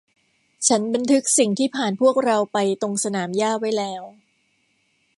ฉันบันทึกสิ่งที่ผ่านพวกเราไปตรงสนามหญ้าไว้แล้ว